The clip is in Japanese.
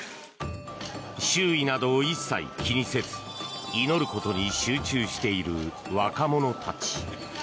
周囲などを一切気にせず祈ることに集中している若者たち。